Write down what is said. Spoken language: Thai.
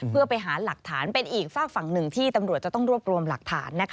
เพื่อไปหาหลักฐานเป็นอีกฝากฝั่งหนึ่งที่ตำรวจจะต้องรวบรวมหลักฐาน